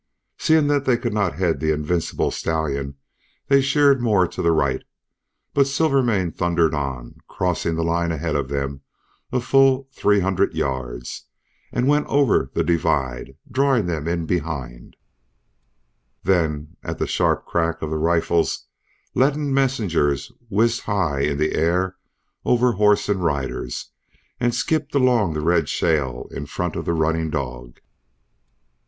Seeing that they could not head the invincible stallion they sheered more to the right. But Silvermane thundered on, crossing the line ahead of them a full three hundred yards, and went over the divide, drawing them in behind him. Then, at the sharp crack of the rifles, leaden messengers whizzed high in the air over horse and riders, and skipped along the red shale in front of the running dog.